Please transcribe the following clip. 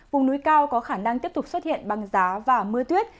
vùng núi cao có khả năng tiếp tục xuất hiện băng giá và mưa tuyết